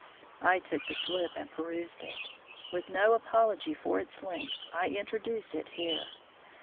I took the slip and perused it. With no apology for its length, I introduce it here.